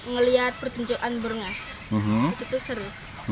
melihat pertunjukan burungnya itu seru